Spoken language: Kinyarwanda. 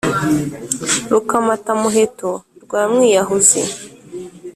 Rukamatamuheto rwa Mwiyahuzi